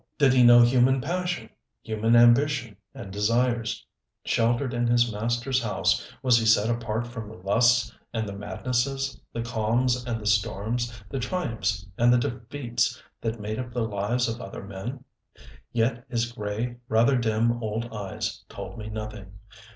Did he know human passion, human ambition and desires: sheltered in his master's house, was he set apart from the lusts and the madnesses, the calms and the storms, the triumphs and the defeats that made up the lives of other men? Yet his gray, rather dim old eyes told me nothing.